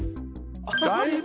だいぶ。